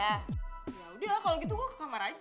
yaudah kalau gitu gue ke kamar aja